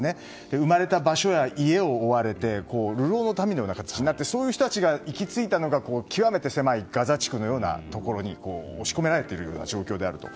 生まれた場所や家を追われて流浪の民のような形になってそういう人たちが行き着いたのが極めて狭いガザ地区のようなところに押し込められているような状況であると。